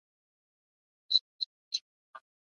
په کندهار کي د صنعت لپاره اوبه څنګه کارول کېږي؟